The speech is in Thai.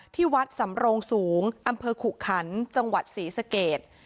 ที่วัดสำโรงสูงอำเภอขุขันจังหวัดศรีสเกต